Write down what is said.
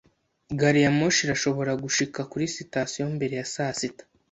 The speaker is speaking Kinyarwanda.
Gariyamoshi irashobora gushika kuri sitasiyo mbere ya saa sita